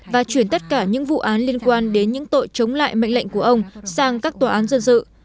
và chuyển tất cả những vụ án liên quan đến những tội chống lại mệnh lệnh của ông sang các tòa án dân sự